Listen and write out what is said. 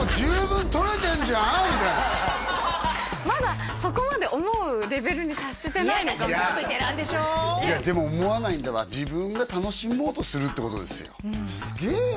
みたいなまだそこまで思うレベルに達してないのかもいやだってもうベテランでしょいやでも思わないんだわ自分が楽しもうとするってことですよ